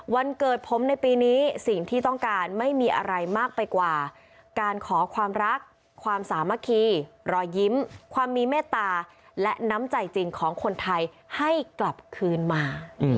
วันเกิดผมในปีนี้สิ่งที่ต้องการไม่มีอะไรมากไปกว่าการขอความรักความสามัคคีรอยยิ้มความมีเมตตาและน้ำใจจริงของคนไทยให้กลับคืนมา